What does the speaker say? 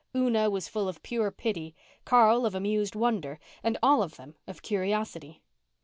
Una was full of pure pity, Carl of amused wonder, and all of them of curiosity.